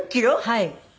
はい。